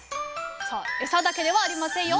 エサだけではありませんよ。